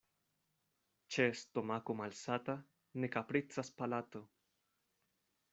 Ĉe stomako malsata ne kapricas palato.